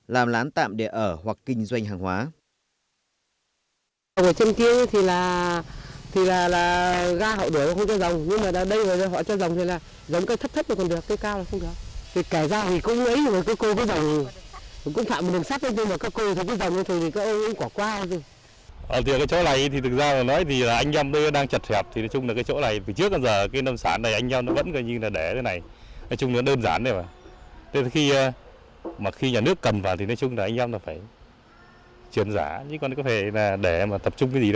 làm lán tạm để ở hoặc kinh doanh hàng hóa